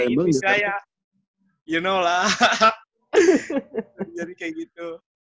ketemu di indonesia ya you know lah jadi kayak gitu